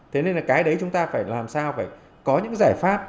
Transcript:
thế nên là cái đấy chúng ta phải làm sao phải có những cái giải pháp